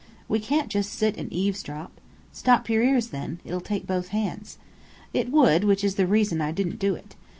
"We can't just sit and eavesdrop." "Stop yer ears then. It'll take both hands." It would; which is the reason I didn't do it.